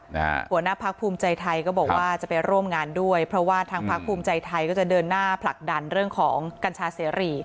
หัวหน้าพักภูมิใจไทยก็บอกว่าจะไปร่วมงานด้วยเพราะว่าทางพักภูมิใจไทยก็จะเดินหน้าผลักดันเรื่องของกัญชาเสรี